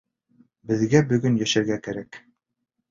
Беҙгә бөгөн йәшәргә кәрәк.